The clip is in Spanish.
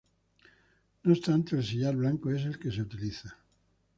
No obstante el sillar blanco es el que se utiliza.